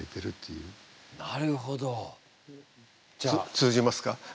通じますか？